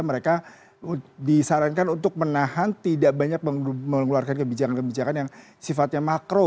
mereka disarankan untuk menahan tidak banyak mengeluarkan kebijakan kebijakan yang sifatnya makro